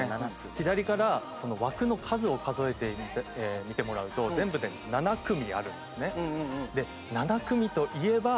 左から枠の数を数えてみてもらうと全部で７組あるんですね。